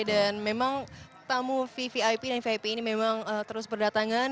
dan memang tamu vvip dan vvip ini memang terus berdatangan